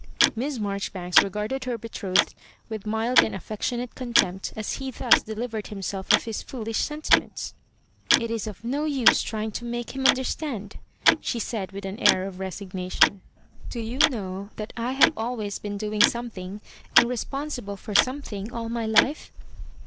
" Miss Marjoribanks regarded her betrothed with mild and affectionate contempt as he thus delivered himself of his foolish sentiments. " It is of no use trying to make him understand," she field with an air of resignation. " Do you know that I have always been doing something, and responsible for something, all my life?